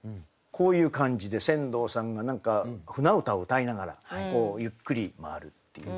こういう感じで船頭さんが何か舟歌を歌いながらゆっくり回るっていう。